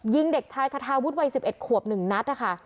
ยิงเด็กชายคทาวุฒิวัย๑๑ขวบ๑นัดค่ะ